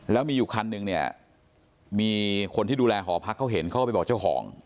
แล้วมีอยู่คันนึงเนี่ยมีคนที่ดูแลหอพักเขาเห็นเขาก็ไปบอกเจ้าของ